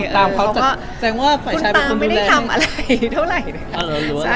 แต่คุณตามไม่ได้ทำอะไรเท่าไหร่ค่ะ